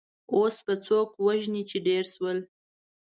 اوس به څو وژنې چې ډېر شول.